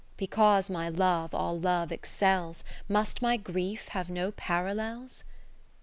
Because my love all love excels, Must my grief have no parallels